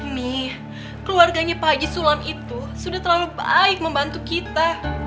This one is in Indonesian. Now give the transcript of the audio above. nih keluarganya pak haji sulam itu sudah terlalu baik membantu kita